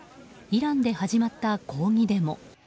イランで始まった抗議デモ。